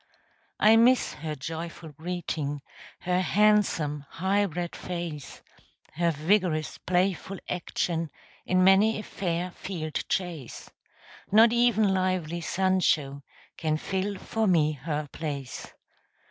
I miss her joyful greeting, Her handsome, high bred face, Her vigorous, playful action In many a fair field chase. Not even lively Sancho Can fill for me her place.